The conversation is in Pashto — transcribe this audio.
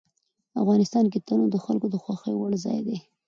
افغانستان کې تنوع د خلکو د خوښې وړ ځای دی.